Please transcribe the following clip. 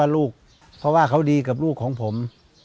เรื่องของผม